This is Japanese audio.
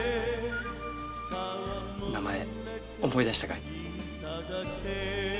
〔名前思い出したかい？